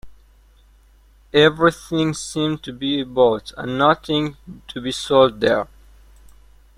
Everything seemed to be bought and nothing to be sold there.